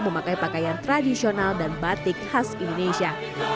memakai pakaian tradisional dan batik khas indonesia